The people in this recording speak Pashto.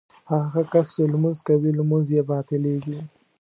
هغه کس چې لمونځ کوي لمونځ یې باطلېږي.